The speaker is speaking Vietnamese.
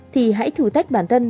thì hãy thử tách bản thân